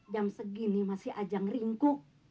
jam segini masih ajang ringkuk